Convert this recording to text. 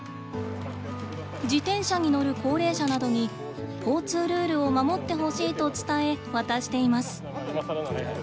自転車に乗る高齢者などに交通ルールを守ってほしいと伝え渡しています。